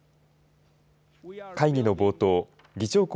会議の冒頭議長国